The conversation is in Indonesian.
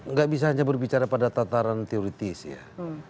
nggak bisa hanya berbicara pada tataran teoritis ya